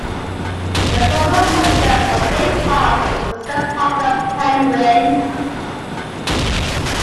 The former mascot for Lake Park, was the Parker Penguin.